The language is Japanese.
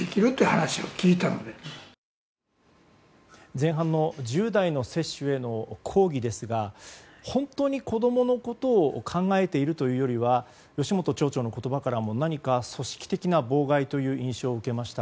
前半の１０代の接種への抗議ですが本当に子供のことを考えているというよりは町長の言葉からも何か組織的な妨害という印象を受けました。